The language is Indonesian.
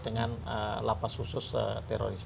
dengan lapas khusus teroris